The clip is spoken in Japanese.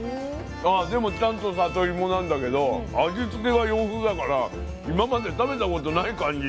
でもちゃんとさといもなんだけど味つけは洋風だから今まで食べたことない感じ。